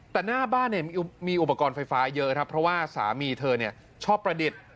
แต่หน้าบ้านเนี่ยมีอุปกรณ์ไฟฟ้าเยอะครับเพราะว่าสามีเธอชอบประดิษฐ์